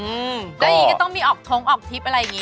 อืมได้อีกก็ต้องมีออกทรงออกทริปอะไรอย่างนี้